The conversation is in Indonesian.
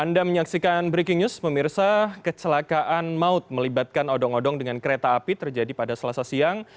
anda menyaksikan breaking news pemirsa kecelakaan maut melibatkan odong odong dengan kereta api terjadi pada selasa siang